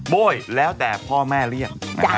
โบ้ยแล้วแต่พ่อแม่เรียก